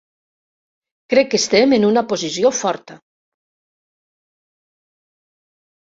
Crec que estem en una posició forta